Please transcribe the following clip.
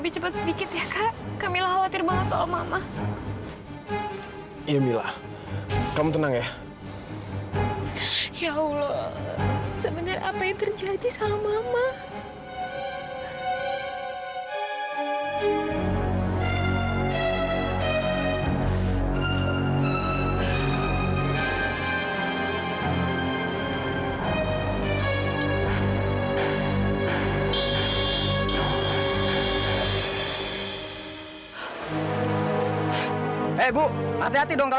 ini pasti ada apa apanya kamilah harus ketemu sama mama kak